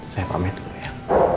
saya pamit dulu ya